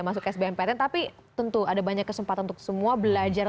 agak sedih karena tidak masuk sbm ptn tapi tentu ada banyak kesempatan untuk semua belajar